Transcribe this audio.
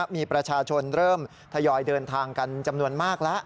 มีประชาชนเริ่มทยอยเดินทางกันจำนวนมากแล้ว